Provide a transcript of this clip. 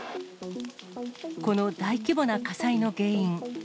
この大規模な火災の原因。